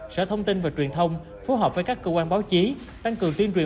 sở thông tin và truyền thông phù hợp với các cơ quan báo chí tăng cường tiên truyền